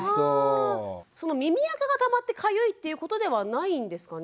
その耳あかがたまってかゆいっていうことではないんですかね？